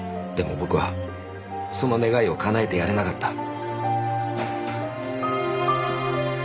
でも僕はその願いを叶えてやれなかった。